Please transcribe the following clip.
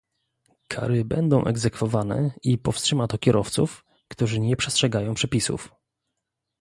Kary będą egzekwowane i powstrzyma to kierowców, którzy nie przestrzegają przepisów